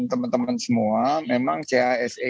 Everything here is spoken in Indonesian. teman teman semua memang chse